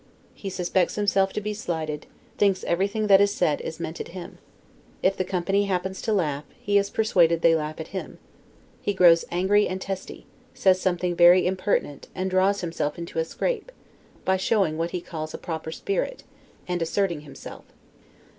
He suspects himself to be slighted, thinks everything that is said meant at him: if the company happens to laugh, he is persuaded they laugh at him; he grows angry and testy, says something very impertinent, and draws himself into a scrape, by showing what he calls a proper spirit, and asserting himself.